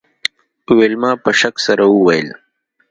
ویلما په شک سره وویل